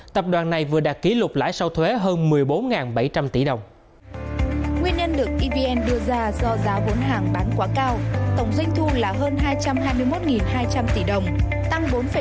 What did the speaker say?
tập đoàn này vừa đạt kỷ lục lãi sau thuế hơn một mươi bốn bảy trăm linh tỷ đồng